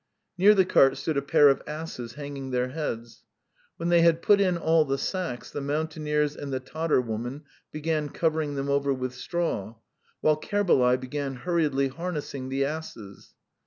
Near the cart stood a pair of asses hanging their heads. When they had put in all the sacks, the mountaineers and the Tatar woman began covering them over with straw, while Kerbalay began hurriedly harnessing the asses.